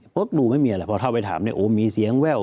เพราะดูไม่มีอะไรพอเข้าไปถามเนี่ยโอ้มีเสียงแว่ว